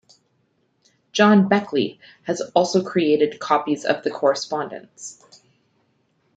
John Beckley also created copies of the correspondence.